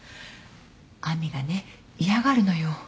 亜美がね嫌がるのよ。